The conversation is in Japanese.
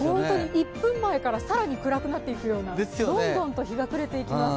１分前から、更に暗くなっていくような、どんどんと日が暮れていきます。